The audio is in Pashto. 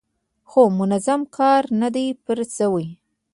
خو منظم کار نه دی پرې شوی.